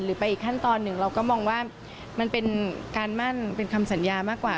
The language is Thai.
ไปอีกขั้นตอนหนึ่งเราก็มองว่ามันเป็นการมั่นเป็นคำสัญญามากกว่า